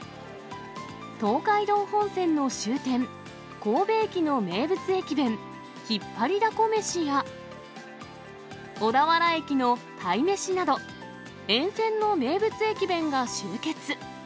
東海道本線の終点、神戸駅の名物駅弁、ひっぱりだこ飯や、小田原駅の鯛めしなど、５個ぐらい買いました。